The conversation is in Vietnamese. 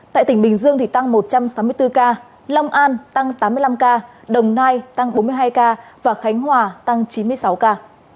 tại tỉnh bình dương tăng một trăm sáu mươi bốn ca long an tăng tám mươi năm ca đồng nai tăng bốn mươi hai ca và khánh hòa tăng chín mươi sáu ca